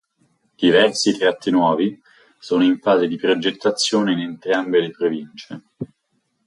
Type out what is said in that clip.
Diversi tratti nuovi sono in fase di progettazione in entrambe le province.